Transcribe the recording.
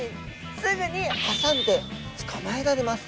すぐに挟んで捕まえられます。